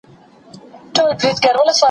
ساینس پوهان د مریخ په اړه څېړنه کوي.